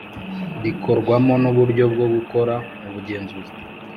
Rikorwamo n uburyo bwo gukora ubugenzuzi